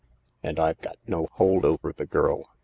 "And I've got no hold over the girl.